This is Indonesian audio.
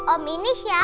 om ini siapa